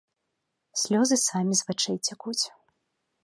Слёзы самі з вачэй цякуць.